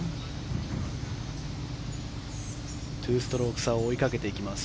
２ストローク差を追いかけていきます。